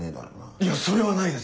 いやそれはないです